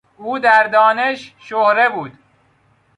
او در دانش شهره بود.